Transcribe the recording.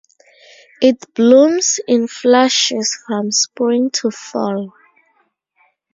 It blooms in flushes from spring to fall.